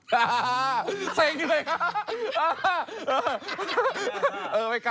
เห้สภานกฎเลยครับ